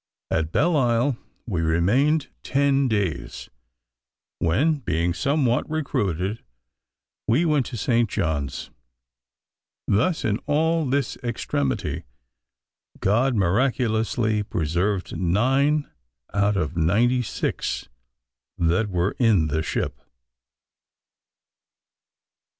At Belleisle we remained ten days, when, being somewhat recruited, we went to St. John's. Thus, in all this extremity, God miraculously preserved nine out of ninety six that were in the ship.